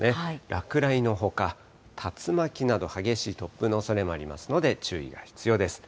落雷のほか、竜巻など、激しい突風のおそれもありますので注意が必要です。